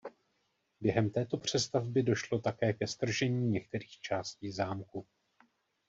Během této přestavby došlo také ke stržení některý částí zámku.